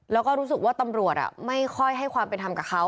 แล้วก็รู้สึกว่าตำรวจไม่ค่อยให้ความเป็นธรรมกับเขา